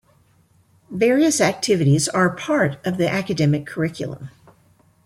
Various activities are part of the academic curriculum.